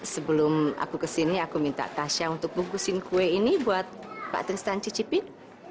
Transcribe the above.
sebelum aku kesini aku minta tasya untuk bungkusin kue ini buat pak tristan cicipin